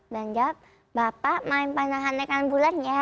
bulan jawab bapak main panahan naikkan bulan ya